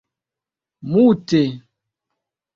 mute